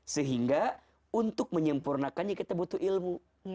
sehingga untuk menyempurnakannya kita butuh ilmu